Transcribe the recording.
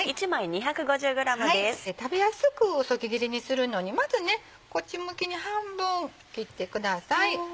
食べやすく薄切りにするのにまずこっち向きに半分切ってください。